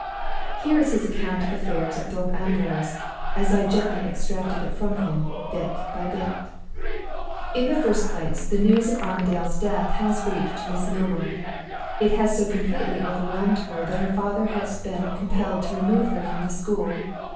"Here is his account of affairs at Thorpe Ambrose, as I gently extracted it from him bit by bit: "In the first place, the news of Armadale's death has reached Miss Milroy. It has so completely overwhelmed her that her father has been compelled to remove her from the school.